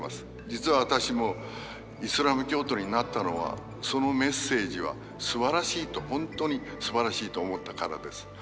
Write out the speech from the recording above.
実は私もイスラム教徒になったのはそのメッセージはすばらしいと本当にすばらしいと思ったからです。